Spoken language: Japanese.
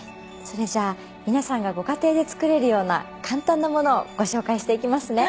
それじゃあ皆さんがご家庭で作れるような簡単なものをご紹介していきますね。